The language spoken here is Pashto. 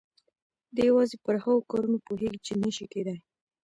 دی يوازې پر هغو کارونو پوهېږي چې نه شي کېدای.